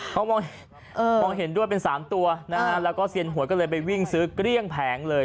เขามองเห็นด้วยเป็น๓ตัวนะฮะแล้วก็เซียนหวยก็เลยไปวิ่งซื้อเกลี้ยงแผงเลย